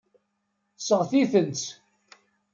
Seɣti-tent.